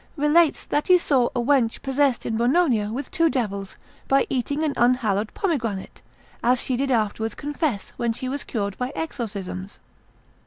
relates that he saw a wench possessed in Bononia with two devils, by eating an unhallowed pomegranate, as she did afterwards confess, when she was cured by exorcisms.